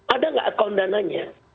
ada nggak account dananya